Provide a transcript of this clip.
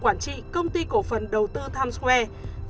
quản trị công ty cổ phần đầu tư times square